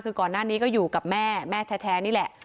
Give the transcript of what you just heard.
คือก่อนหน้านี้ก็อยู่กับแม่แม่แท้นี่แหละ